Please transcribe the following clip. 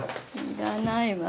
いらないわ。